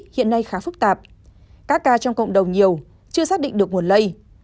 hiện nay khá phức tạp các ca trong cộng đồng nhiều chưa xác định được nguồn lây